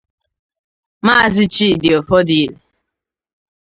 Maazị Chidi Offodile